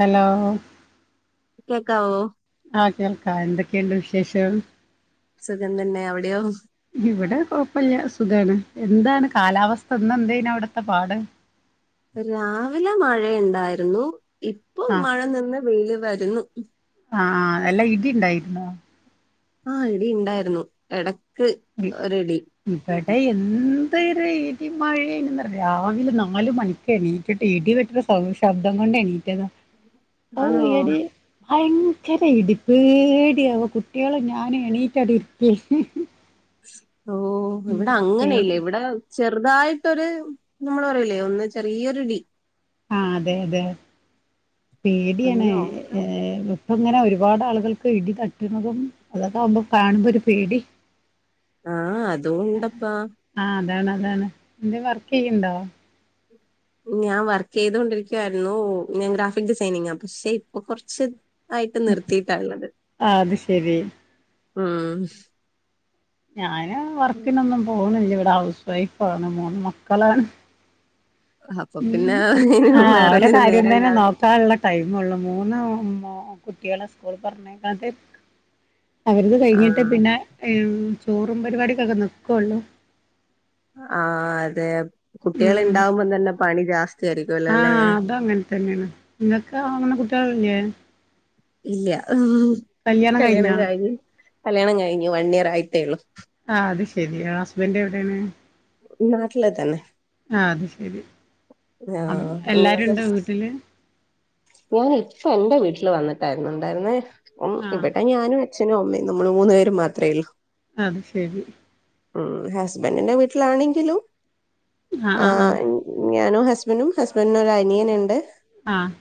Hello കേക്കാവോ ആഹ് കേൾക്കാ എന്തൊക്കെണ്ട് വിശേഷം സുഖം തന്നെ അവിടെയോ ഇവിടെ കുഴപ്പല്ല സുഖാണ് എന്താണ് കാലാവസ്ഥ ന്നന്തേന് അവിടത്തെ പാട് രാവിലെ മഴയുണ്ടായിരുന്നു ഇപ്പൊ ആ മഴ നിന്ന് വെയ്ല് വരുന്നു അ ആഹ് നല്ല ഇടിണ്ടായിരുന്നോ ആഹ് ഇടിണ്ടായിരുന്നു എടക്ക് ഒര്ടി. വട എന്തര് ഇടി മഴന്നറിയോ രാവിലെ നാല് മണിക്ക്ണീറ്റിട്ട് ഇടി വെട്ട്ണ സ അഹ് ശബ്ദം കൊണ്ടണീറ്റത അഹ് ആണോ എണീ ഭയങ്കര ഇടി പേടിയാവ കുട്ട്യേള് ഞാന് എണീറ്റടി ഇരിക്ക ഓഹ് ഇവടെ അങ്ങനെല്ല പേടി ഇവടെ ചെർതായിട്ടൊര് നമ്മൾ പറയില്ലേ ഒന്ന് ചെറിയൊരു ഡി. ആഹ് അതെ അതെ പേടിയാണ് അങ്ങനെയോ ഏഹ് പ്പൊങ്ങനെ ഒരുപാട് ആളുകൾക്ക് ഇടി തട്ടുന്നതും അതൊക്കെ ആകുമ്പോ കാണുമ്പോ ഒരു പേട്യാ. ആഹ് അതും ണ്ടപ്പാ. ആഹ് അതാണതാണ് എന്ത് വർക്ക് യ്യ്ണ്ടോ? ഞാൻ വർക്ക് യ്തൊണ്ടിരിക്കുവായിരുന്നു ഞാൻ ഗ്രാഫിക് ഡിസൈനിങ പക്ഷെ ഇപ്പൊ കൊർച്ച് ആയിട്ട് നിർത്തിയിട്ട ള്ളത് ആ അത് ശരി ഉം ഞാന് വർക്ക്നൊന്നും പോണില്ല വടെ ഹൗസ് വൈഫ് ആണ് മൂന്ന് മക്കളാണ്. അപ്പൊ ഹും പിന്നെ മ് ആഹ് ഓര വേറൊന്നിനും കാര്യം നേരം തന്നെ ഉണ്ടാവില്ല നോക്കാള്ള ടൈമൊള്ളു മൂന്ന് മൊ കുട്ട്യേളെ സ്കൂൾ പർഞ്ഞേക്കാണ്ട്. അവര്തേ ആ കഴിഞ്ഞിട്ട് പിന്നെ ചോറും പരിപാടിക്കൊക്കെ ന്ക്കോള്ളൂ. ആ അതെ കുട്ട്യേൾ ഉം. ണ്ടാവുമ്പോ തന്നെ പണി ജാസ്തിയരിക്കുംല്ലല്ലേ? തന്നെണ് ങ്ങക്ക അങ്ങനെ കുട്ട്യേളില്ലേ? ഇല്ല ഉം കല്യാണം കഴിഞ്ഞു കല്യാണം കഴിഞ്ഞു വൺ ഇയർ ആയിട്ടേ ഉള്ളു. ആഹ് അത് ശെരി ഹസ്ബന്റ് എവിടെണ്? നാട്ടില് തന്നെ ആഹ് അത് ശരി ആഹ് നിങ്ങളൊക്കെ എല്ലാരുണ്ടോ വീട്ട്ല്? ഞാൻ ഇപ്പ എന്റെ വീട്ടിൽ വന്നിട്ടായിരുന്നു ഇണ്ടായിരുന്നേ. ആഹ് ഇവടെ ഞാനും അച്ഛനും അമ്മേം നമ്മൾ മൂന്നു പേര് മാത്രേയുള്ളൂ. അത് ശെരി ഉം ഹസ്ബന്റിന്റെ വീട്ടിലാണെങ്കിലും ആഹ് എൻ ഞാനും ഹസ്ബൻഡും ഹസ്ബൻഡിന് ഒരു അനിയന്ണ്ട്. ആഹ്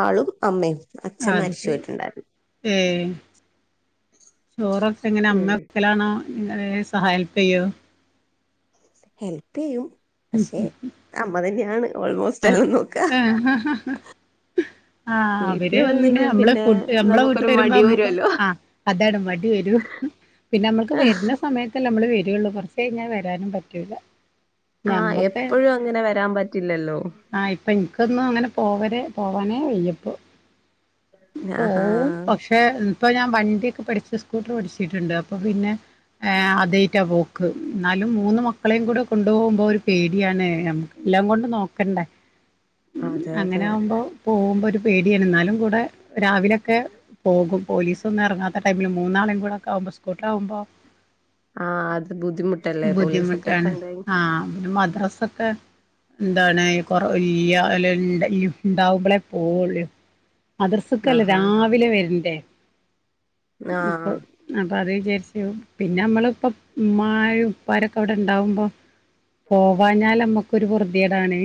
ആളും അമ്മേം അത് ശെരി ഏഹ് ചോറൊക്കെ എങ്ങനെ അമ്മ ഉം വെക്കലാണോ നിങ്ങ സഹായ് ഹെൽപ് യ്യോ? ഹെൽപ്പ് യ്യും പക്ഷെ അമ്മ തന്നെയാണ്. ഓൾമോസ്റ്റ് ആഹ് എല്ലാം നോക്ക ആഹ് വീട്ടില് അവര് വന്ന് പിന്നെ കഴിഞ്ഞാ നമ്മള ഫുഡ് നമ്മളെ വീട്ട്ൽ നമുക്കൊരു വര്മ്പോ മടി നന്മക്ക് വരുവല്ലോ ആഹ് അതാണ് മടി വരും പിന്നെ നമ്മൾക്ക് വര്ന്ന സമയ ത്തല്ല നമ്മള് വരൂള്ളൂ കൊർച്ച് കഴിഞ്ഞാ വരാനും പറ്റൂല. ആഹ് ഞമ്മക്ക് എപ്പഴും അങ്ങനെ വരാൻ പറ്റില്ലല്ലോ. ആഹ് ഇപ്പ ഇൻക്കൊന്നും അങ്ങനെ പോവരെ പോവാനേ വയ്യപ്പോ. ആഹാ പോവും പക്ഷെ ഇപ്പ ഞാ വണ്ടിക്കെ പഠിച്ച് സ്കൂട്ടർ പഠിച്ചിട്ടുണ്ട് അപ്പൊ പിന്നെ ഏഹ് അതായിട്ടാ പോക്ക് ന്നാലും മൂന്ന് മക്കളെയും കൂടെ കൊണ്ടുപോകുമ്പോ ഒരു പേടിയാണ് നമു എല്ലാം കൊണ്ട് നോക്കണ്ടേ അതെ അതെ അങ്ങനെ ആവുമ്പോ പോകുമ്പോ ഒരു പേടിയാണ് ന്നാലും കൂടെ രാവിലൊക്കെ പോകും. പോലീസ് ഒന്നും എറങ്ങാത്ത ടൈമില് മൂന്നാളും കൂടെക്ക ആകുമ്പ സ്കൂട്ടർ ആകുമ്പോ ആഹ് അത് ബുദ്ധിമുട്ടല്ലേ പോലീസൊക്കെ ബുദ്ധിമുട്ടാണ് കണ്ട് കഴി ആഹ് പിന്നെ മദ്രസൊക്കെ ന്താണ് കൊറ ഈ ആളെ ഈ ണ്ട ണ്ടാവുമ്പളേ പോവള്ളേ. മദ്രസക്കല്ലേ ആഹാ രാവിലെ വര്ണ്ടേ അപ്പൊ ആഹ് അപ്പ അത് വിചാരിച്ച് പിന്നെ നമ്മള് ഇപ്പ ഉമ്മായും ഉപ്പാരൊക്കെ അവടെ ഇണ്ടാവുമ്പോ പോവാഞ്ഞാൽ നമ്മക്കൊരു പൊർതിടാണ്.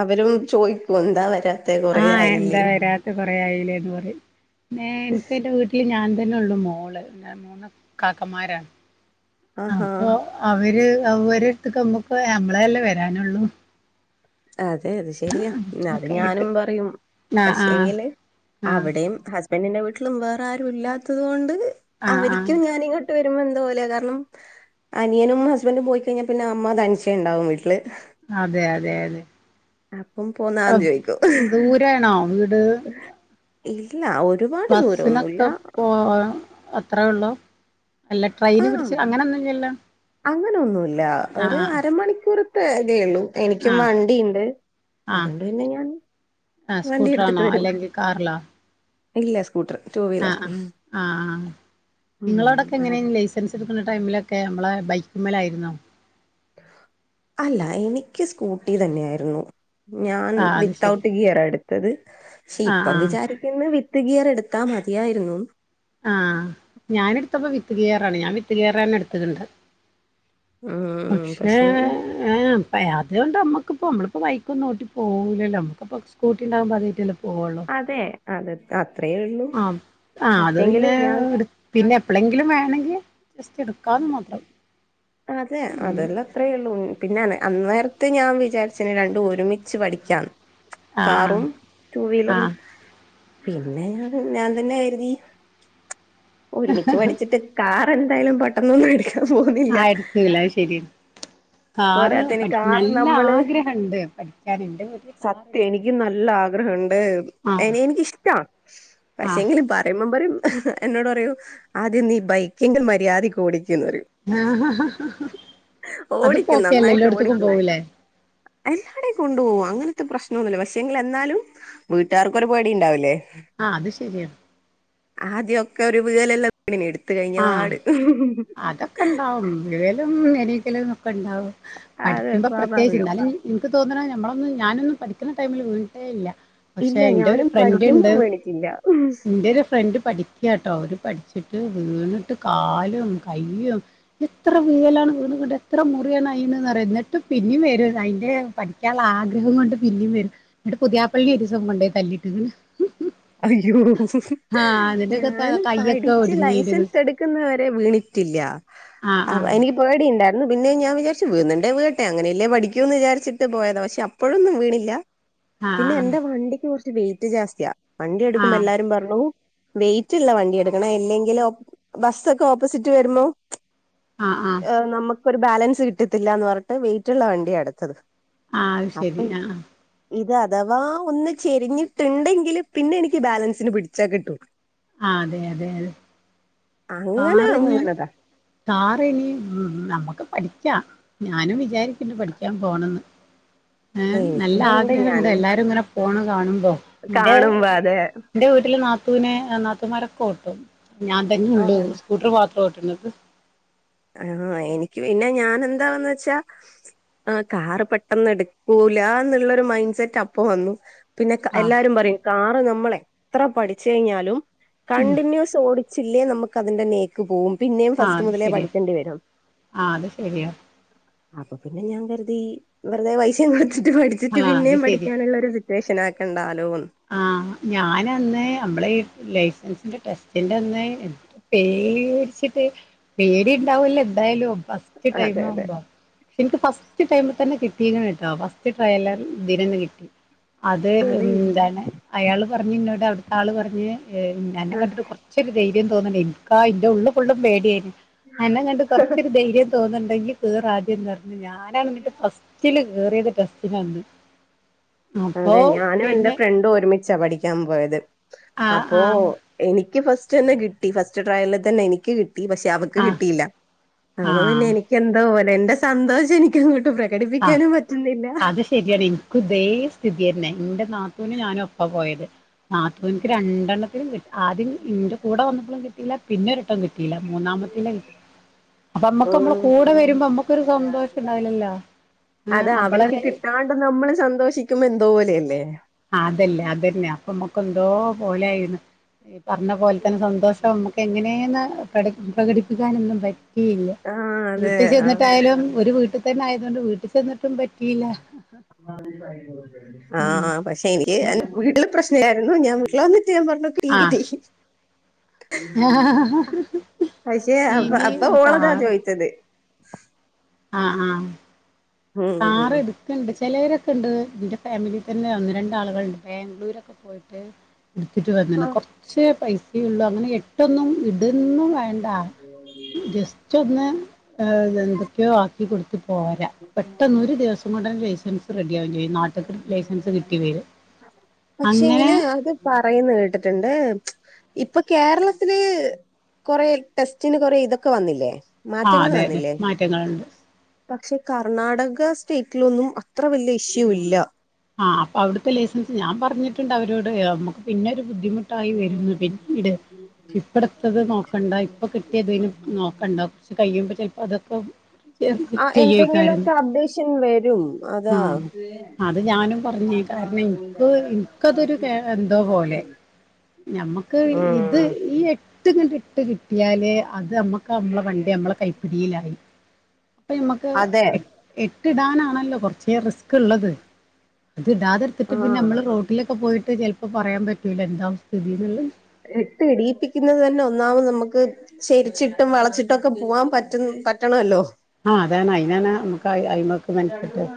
അവരും ചോയിക്കും എന്താ വരാ ആഹ് എന്താ വരാ കൊറേ ആയിലേന്ന് പറിം ഏ ഇൻക്ക് ഇന്റെ വീട്ട്ല് ഞാൻ തന്നെ ഒള്ളൂ മോള് ഞാ മൂന്നാ കാക്കമാരാ ആഹാ അപ്പൊ അവര് അവരട്ത്ത്ക്ക് നമ്മക്ക് നമ്മളല്ലേ വരാനോള്ളൂ അതെ അത് ശെരിയാ അത് ഒക്കെ ആയിട്ട് ഞാനും പറയും ആഹ് പക്ഷേങ്കില് ആഹ് ആഹ് അവിടെയും ഹസ്ബൻഡിന്റെ വീട്ടിലും വേറാരും ഇല്ലാത്തത് കൊണ്ട് ആഹ് ആഹ് അവരിക്കും ഞാനിങ്ങോ ട്ട് വരുമ്പോ എന്തോ പോലേ കാരണം അനിയനും ഹസ്ബഡും പോയി കഴിഞ്ഞാ പിന്നെ അമ്മ തനിച്ചേണ്ടാവും വീട്ട്ല് അതെ അതെ അതെ അപ്പം അ പോന്നാന്ന് ചോദിക്കും ദൂരെണോ വീട്? ഇല്ല ഒരു ബസ്സ്‌നൊക്കെ പോവാ അത്രേ ഒള്ളു? അല്ല ട്രെയിന് പിടിച്ച് അങ്ങനൊന്നും ഇല്ലല്ലോ അങ്ങനൊന്നുല്ലാ ഒരു അരമണിക്കൂറത്തെ ഇതേ ഒള്ളൂ ആ എനിക്കും വണ്ടിയ്ണ്ട് ആ അതോണ്ട് പിന്നെ ഞാൻ ആ വണ്ടി ഇട്ത്തിട്ട് സ്കൂട്ടറാണോ വരും അല്ലെങ്കിൽ ഇല്ല സ്കൂട്ടറ് ആഹ് ആഹ് ആഹ് ആഹ് ഉം ഇങ്ങളോടൊക്കെ എങ്ങനെ അതെ ലൈസ് സൻസ് ഇട്ക്ക്ണ ടൈമിലൊക്കെ നമ്മളെ ബൈക്ക്മ്മ്ലായിരുന്നോ അല്ല എനിക്ക് സ്കൂട്ടി തന്നെ ആയിരുന്നു ഞാൻ ആ അത് വിത്ത് ശരി ഔട്ട് ഗിയറാ എട്ത്തത് ക്ഷേ ആ ഇപ്പം ആ വിചാരി ക്കുന്ന് വിത്ത് ഗിയറ് എട്ത്താ മതിയായിരുന്നൂന്ന് ആഹ് ഞാന് എട്ത്തപ്പോ വിത്ത് ഗിയറാണ് ഞാൻ വിത്ത് ഗിയറെന്നെട്ത്ത്ട്ട്ണ്ട് ഉം പക്ഷേ പക്ഷെങ്കില് ഏഹ് അത് കൊണ്ട് നമ്മക്ക്പ്പോ നമ്മള്പ്പം ബൈക്കൊന്നും ഓട്ടി പോവുലല്ലോ നമ്മുക്ക്‌പ്പൊ സ് കൂട്ടിണ്ടാവുമ്പോ അതായിറ്റല്ലേ പോവോള്ളൂ അതെ അതെ അത്രേ ഒള്ളൂ ആഹ് അത് പക്ഷെങ്കില് പിന്നെ ഞാൻ എടു പിന്നെ എപ്പളങ്കിലും വേണെങ്കി ജസ്റ്റ് ഇട്ക്കാന്ന് മാത്രം അതെ അതെല്ലാ ത്രേ ഉള്ളൂ പിന്നാണ് അന്നേരത്ത് ഞാൻ വിചാരിച്ച്ണ് രണ്ടും ഒരുമിച്ച് പഠിക്കാന്ന് ആഹ് കാറും റ്റൂവീലറും ആഹ് പിന്നെ ഞാൻ തന്നെ കര്തി ഒരുമിച്ച് പഠിച്ചിട്ട് കാറെന്തായാലും പെട്ടെന്നോന്നും ഇട് ആഹ് എട്ക്കൂല അത് ശെര്യാ കാറ് പോരാത്തതിന് പഠിക് കാർ നല്ല നമ്മള് ആഗ്രഹണ്ട് പഠിക്കാന് ഇന്റെ വീട്ടില് കാറ് സത്യം എനിക്ക് നല്ല ആഗ്രഹണ്ട് ആഹ് എനി എനിക്കിഷ്ട്ടാ പക്ഷേങ്കില് പറിംമ്പ പറിം എന്നോട് പറയും ആദ്യം നീ ബൈക്കിന്റെ മര്യാദിക്ക് ഓടിക്ക്ന്ന് പറിം ആഹ് അത്പ്പോ ഓടിക്കും ഓക്കെല്ലേ എല്ലോട്ത്ത്ക്കും പോവുലേ എല്ലാടേം കൊണ്ടോവാ അങ്ങനത്തെ പ്രശ്നൊന്നുല്ല പക്ഷേങ്കില് എന്നാലും വീട്ടാറ്ക്കൊരു പേടിണ്ടാവുലേ ആഹ് അത് ശരിയാണ് ആദ്യൊക്കൊരു വീഴലെല്ലാം വീണീന് ഇട്ത്ത ആഹ് കഴിഞ്ഞപാട് വിഴലും എണീക്കലും ഒക്കെണ്ടാവും അതെ പഠിക്കുമ്പോ പ്രത്യേയിച്ച് സ്വാഭാവികം ഇന്നാലും ഇനിക്ക് തോന്ന്ണെ ഞമ്മളൊന്നും ഞാനൊന്നും പഠിക്ക്ണ ടൈമില് വീണിട്ടെ ഇല്ല പക്ഷെ ഇല്ല ഇന്റോരു ഞാനും പഠിക്കുമ്പോ ഫ്രന്റ്ണ്ട് വീണിട്ടില്ല ഇന്റോരു ഫ്രണ്ട് പഠി ക്ക്യട്ടോ ഓര് പഠിച്ചിട്ട് വീണ് ട്ട് കാലും കയ്യും എത്ര വീഴലാണ് വീണ്വ്ടെ എത്ര മുറിയാണ് അയിന് ന്നറ്യോ ഇന്നെട്ട് പിന്നിം വരു അയിന്റെ പഠി ക്ക്യാളെ ആഗ്രഹകൊണ്ട് പിന്നിം വരും ഇന്നെട്ട് പുത്യാപ്പളനിം ഒരീസം കൊണ്ടോയി തല്ലിട്ട്ക്ക്ണ് അയ്യോ ആഹ് അതിനൊക്കെ ത- ഞാന് കയ്യൊക്കെ പഠിച്ച് ലൈ ഒടിഞ്ഞിരുന്നു സെൻസെട്ക്ക്ന്ന വരെ വിണ്റ്റ്ല്ല ആഹ് അവ ആഹ് എനി പേടിണ്ടായിര്ന്ന് പിന്നെ ഞാന് വിചാരിച്ചു വീഴ്ന്ന്ണ്ടേ വീഴട്ടെ അങ്ങനെയല്ലേ പഠിക്ക്യുന്ന് വിചാരിച്ചിട്ട് പോയതാ പക്ഷെ അ പ്പഴൊന്നും വീണില്ല പിന്നെ ആഹ് എന്റെ വണ്ടിക്ക് കൊറച്ച് വെയിറ്റ് ജാസ്ത്ത്യ വണ്ടി എട്ക്കുമ്പോ ആഹ് എല്ലാരും പറഞ്ഞു വെയയിറ്റ്ള്ള വണ്ടി എട്ക്കണം ഇല്ലെങ്കിലൊ ബസ്സോക്കെ ഓപ്പോസിറ്റ് വര്മ്പോ ആഹ് ആഹ് നമുക്കൊരു ബാലൻസ് കിട്ടിത്തില്ല എന്ന് പറഞ്ഞിട്ട് വെയിറ്റ്ള്ള വണ്ടിയാണ് എട്ത്തത് ആഹ് അത് ശരി അപ്പം ആഹ് ആഹ് ഇത് അഥവാ ഒന്ന് ചെരിഞ്ഞ്ട്ട് ണ്ടെങ്കിലും പിന്നെ എനിക്ക് ബാലൻസിന് പിടിച്ചാ കിട്ടൂ ആ അതെ അതെ അങ്ങനെ കാറിന് വീണതാ താറിനി ഉ നമുക്ക് പഠിക്കാം ഞാനും വിചാരിക്കണ്ട് പഠിക്കാൻ പോണന്ന് ഏ നല്ല എനിക്കുണ്ട് ആഗ്രഹണ്ട് ഞാന് എല്ലാരും ഇങ്ങനെ പൊണ കാണുമ്പോ ന്റെ കാണുമ്പോ അതെ ന്റെ വീട്ടില് നാത്തുന് നാത്തുമാരൊക്കെ ഓട്ടും ഞാ തന്നള്ളൂ സ്കൂട്ടർ മത്ര ഓട്ട്ന്നത് ആഹ എനിക്ക് പിന്നെ ഞാന് എന്താണ് ന്ന് വെച്ചാ ആ കാറ് പെട്ടന്ന് എടുക്കൂല എന്നുള്ളരു മൈൻസെറ്റ് അപ്പ വന്നു ആഹ് പിന്നെകഎല്ലാരും പറയും കാറ് നമ്മൾ എത്ര പഠിച്ചു കഴിഞ്ഞാലും ഉം കണ്ടിന്യൂസ് ഓടി ചില്ലേ നമുക്ക് അതിന്റെ നേക്ക് പോവും പിന്നേും ആഹ് ഫസ്റ്റ് അത് മുതലേ ശരിയാ പഠി ആഹ് അത് ശരിയാ അപ്പപിന്നെ ഞാകര്തി വെറുതെ പൈസയും കൊടുത്തിട്ട്പടി ച്ട്ട് ആഹ് അത് ശരി പിന്നേപഠിക്കാനുള്ള ഒരു സിറ്റുവേഷൻ ആക്കേണ്ട ആലോന്ന് ആ ഞാനന്ന് നമ്മളെ ഈ ലൈസൻസിന്റെ ടെസ്റ്റിന്റെ അന്ന് പേടിച്ചിട്ട് പേടി ണ്ടാവല്ലോ എന്തായാലുംഫസ് റ്റ് അതെ അതെ ടൈമാവുമ്പോ എനിക്ക് ഫസ്റ്റ് ടൈമ് തന്നെ കിട്ടീ ക്ണ് ട്ടൊ ച് ട്രൈലർ ഇതിനന്ന് കിട്ടി അത് അതെ എന്താണ് അയാൾ പറഞ്ഞഞ് ഇന്നോട് അവിടുത്തെ ആൾപറഞ്ഞ് ആ. അന്നെകണ്ടിട്ട് കുറച്ച് ച്ചൊരു ധൈര്യം തോന്നണ് എനിക്കാ എന്റെ ഉള്ളള് ഫുള്ളും പേടിയാര് ന്ന് അന്നെ കണ്ട് കുറച്ചൊരു ധൈര്യം തോന്നുന്നുണ്ടെങ്കി കേറാദ്യന്ന് പറഞ്ഞ് ഞാന എന്നിട്ട് ഫസ്റ്റില് കേറിയത് ടെസ്റ്റിന് അന്ന് അതെ ഞാനും എന്റെ ഫ്രണ്ടും ഒരുമിച്ചാ പഠിക്കാപോയത് ആഹ് അപ്പോ ആഹ് എനിക്ക് ഫസ്റ്റന്നെ കിട്ടി ഫസ്റ്റ് ട്രയലില് തന്നെ എനിക്ക് കിട്ടി പക്ഷെ അവക്ക് ആഹ് കിട്ടീല്ല അപ്പൊപിന്നെ ആഹ് എനിക്ക് എന്തോ പോലെ എന്റെ സന്തോഷം എനിക്കങ്ങോട്ട് പ്രകടിപ്പിക്കാനും പറ്റുന്നില്ല ശരിയാടീ എനിക്കു ഇതേ സ്ഥിതിയന്നെ എന്റെ നാത്തൂനും ഞാനും ഒപ്പാ പോയത് നാത്തൂന്ക്ക് രണ്ടെണ്ണത്തിലും കിട്ടി ആദ്യം ഇന്റെ കൂടെ വന്നപ്പളും കിട്ട ട്ടീല്ല പിന്നൊരൊട്ടം കിട്ടീല്ല മൂന്നാമത്തീല കിട്ടി അപ്പൊ അമ്മക്ക് നമ്മളെ ഉം കൂടെ വരുമ്പം അമ്മക്കൊരു സന്തോഷം ഇണ്ടാവില്ലല്ലോ അതാ അവര്ക്ക് കിട്ടാണ്ട് നമ്മള് സന്തോഷിക്കുബോ എന്തോ പോലെയല്ലേ ആഹ് അതല്ലെ അതന്നെ അപ്പൊമ്മക്ക് എന്തോ പോലെ ആയിണ് ഈ പറഞ്ഞ പോലെ തന്നെ സന്തോഷമ്മക്ക് എങ്ങനേന്ന് പ്രടി പ്രകടിപ്പിക്കാനൊന്നും പറ്റിയില്ല ആ അതെ വീട്ടിൽ ആ ചെന്നിട്ടായാലും ഒരു വീട്ട് ട്ട് തന്നെആയതോണ്ട് വീട്ടി ചെന്നിട്ടും പറ്റ് ആഹ് പക്ഷെ എനിക്ക് വീട്ടില് പ്രശ്നിലാ എന്നു ഞാൻ വീട്ടിലന്നിട്ട് ഞാൻപറഞ്ഞു എനിക്ക് ട്ടി ആഹ് കിട്ടി പക്ഷെ അപ്പ ഇനി അപ്പൊ കാർ ഓളതാ ചോയ്ച്ചത് ആഹ് ആഹ് കാർ ഉം എട് ഒക്കെണ്ട് ചിലവരൊക്കെണ്ട് എന്റെ ഫാമിലി തന്നെ ഒന്ന് രണ്ടാളുകള്ണ്ട് ബാംഗ്ലൂരൊക്കെ പോയിട്ട് എടുത്തിട്ട് ആ വന്നിന് കൊറച്ച് പൈസേള്ളു അങ്ങനെ എട്ടൊന്നും ഇടേന്നു വേ.. ണ്ട ജസ്റ്റ് ഒന്ന് എന്തൊക്കെയോ ആക്കി കൊടുത്ത് പോരാ പെട്ടെന്ന് ഒരു ദിവസം കൊണ്ടന്നെ ലൈസൻസ് റെഡിയാവും ചെയ്യും നാട്ട്ക്ക് ലൈസൻസ് കിട്ടി വരും അങ്ങനെ പക്ഷെങ്കില് അത് പറയുന്ന കേട്ടിട്ട്ണ്ട് ഇപ്പൊ കേരളത്തില് കൊറേ ടെസ്റ്റിന് കൊറേ ഇതൊക്കെ വന്നില്ലേ ആഹ് മാറ്റങ്ങൾ അതെ അതെ വന്നില്ലേ മാറ്റങ്ങളുണ്ട് പക്ഷെ കർണാടക സ്റ്റേറ്റിലൊന്നും അത്ര വലിയ ഇഷ്യൂ ഇല്ല ആഹ് അപ്പ അവിടുത്തെ ലൈസൻസ് ഞാൻ പറഞ്ഞിട്ടുണ്ട് അവരോട് നമുക്ക് പിന്നെ ഒരു ബുദ്ധിമുട്ട് ട്ടായി വരുന്ന് പിന്നീട് ഇപ്പട്തത് നോക്കണ്ട ഇപ്പൊ കിട്ടിയതിനു നോക്കണ്ട ച്ച് കയുമ്പൊ ചിലപ്പോ അതൊക്കെ ആഹ് എന്തെങ്കിലു ചെയ്യേക്കായിരുന്നു ഒക്കെ അപ്ടേഷൻ വരും അതാ ആഹ് അത് ഞാനും പറഞ്ഞ് കാരണം എന്ക്ക് എന്ക്കതൊരു കേ എന്തോ പോലെ ഞമ്മക്ക് ഇത് ഉം ഈ എട്ട് ട്ടിങ്ങട്ട് ഇട്ട് കിട്ടിയാല് അത് അമ്മക്ക് അമ്മളെ വണ്ടി അമ്മളെ കൈപ്പിടിയിലായി ഇപ്പ ഞമക്ക് അതെ എട്ടിടാനാണല്ലോ കൊർച്ച് റിസ്കിള്ളത് അത് ഇടാതെ എട്ത്തിട്ട് പിന്നെ ആ നമ്മള് റോട്ടിലൊക്കെ പോയിട്ട് ചെൽപ്പോ പറയാൻ പറ്റൂല എന്താവു സ്ഥിതിന്നിള്ളത് എട്ട് ഇടീപ്പിക്കുന്നത് തന്നെ ഒന്നാമത് നമ്മക്ക് ചെരിച്ചിട്ടും വളച്ചിട്ടൊക്കെ പൂവാൻ പറ്റ് പറ്റണല്ലോ ആഹ് അതാണ് അയിനാണ് നമക്ക് അയ്മ രണ്ടും നാ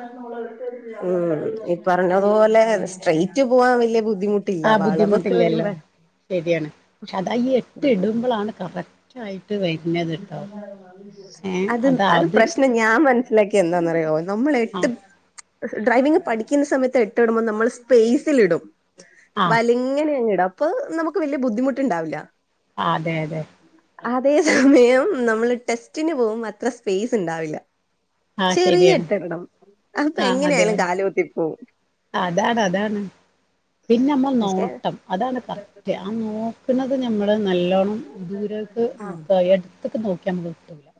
ഉം ഈ പറഞ്ഞതുപോലെ സ്ട്രേയ്റ്റ് പോവാ വലിയ ബുദ്ധിമുട്ട് ആഹ് ബുദ്ധിമുട്ടില്ലാല്ലോ ശരിയാണ് പക്ഷേ അതാ ഈ എട്ട് ഇടുമ്പളാണ് കറക് റ്റായിട്ട് വയ് അത് അത് പ്രശ്ന ഞാൻ മനസ്സിലാക്കി എന്താന്നറിയോ നമ്മള് ആ എട്ട് ഡ്രൈവിംഗ് പഠിക്കുന്ന സമയത്ത് എട്ടിടുമ്പൊ നമ്മള് സ്പേസിൽ ഇടും ആ വല്ങ്ങനെ അങ്ങ് ഇടും പ്പൊ നമുക്ക് വല്ല്യ ബുദ്ധിമുട്ടിണ്ടാവില്ല ആഹ് അതെ അതെ അതേ സമയം നമ്മള് ടെസ്റ്റിന് പോവുമ്പ അത്ര സ്പേസ്ണ്ടാവില്ല ആ ചെറിയ ശരിയാണ് എട്ടിടണം അപ്പ ആ അതെ എങ്ങനെയായലും കാല് കുത്തി പോവും അതാണ് അതാണ് പിന്നെ അമ്മള പക്ഷെ നോട്ടം അതാണ് കറ ക്ട് ആഹ് നോക്ക്ണത് ഞമ്മള് നല്ലോണം ദൂരേക്ക് ആഹ് നോക്കാ എടു ട്ത്ത്ക്ക് നോക്ക്യ അമ്മള് എത്തൂലാ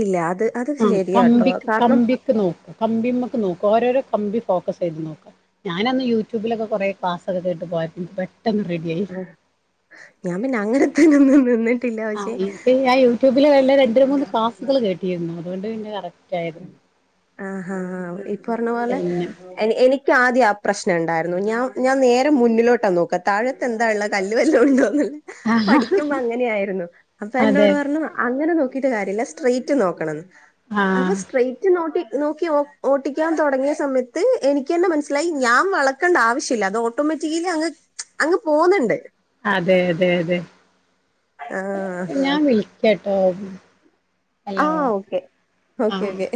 ഇല്ല അത് ആഹ് ശരിയാട്ടോ കമ്പിക്ക് കാരണം കമ്പിക്ക് നോക്കാ കമ്പീമ്മക്ക് നോക്കാ ഓരോരോ കമ്പി ഫോക്കസ് ചെയ്ത് നോക്കാ ഞാനന്ന് യൂട്യൂബിലൊക്കെ കൊറേ ക്ലാസ്ക്കെ കേട്ടു പോയപ്പോ പെട്ടെന്ന് റെഡി ആയി ആഹ് ഞാൻ പിന്നെ അങ്ങനെത്തെന് ഒന്നും നിന്നി ആഹ് ഞാൻ യൂട്യൂബില് നല്ല രണ്ട് മൂന്ന് ക്ലാസുകൾ കേട്ടിരുന്നു അതുകൊണ്ട് പിന്നെ കറ ആഹ് ഹ ഹഹാ ഈ പറഞ്ഞ പോലെ പിന്നെ എ എനിക്ക് ആദ്യം ആ പ്രശ്നം ഉണ്ടായിരുന്നു ഞാൻ ഞാൻ നേരെ മുന്നിലോട്ടാ നോക്കാ താഴെ എന്താള്ളേ കല്ല് വല്ലോം ഉണ്ടോന്ന്ള്ളെ പഠിക്കുമ്പോ അങ്ങനെയായിരുന്നു അപ്പൊ അതെ എന്നോട് പറഞ്ഞു അങ്ങനെ നോക്കി ക്കീട്ട് കാര്യല്ല സ്ട്രെയിറ്റ് നോക്കണന്ന് ആഹ് അപ്പോ സ്ട്രേറ്റ് നോക്കി നോക്കി ഓട്ടിക്കാൻ തൊടങ്ങിയ സമയത്ത് എനിക്ക് തന്നെ മനസ്സിലായി ഞാൻ വള ക്കണ്ട ആവശ്യമില്ല അത് ഓട്ടോമാറ്റിക്കലി അങ്ങ് അങ്ങ് പോകുന്നുണ്ട് അതെ തെ തെ ഞാൻ വിളിക്കാട്ടോ ആ ഹലോ ഓക്കെ ഓക്കെ ആഹ് ഓക്കെ